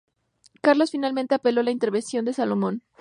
Carlos finalmente apeló la intervención de Salomón.